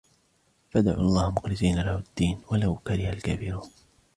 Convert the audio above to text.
فَادْعُوا اللَّهَ مُخْلِصِينَ لَهُ الدِّينَ وَلَوْ كَرِهَ الْكَافِرُونَ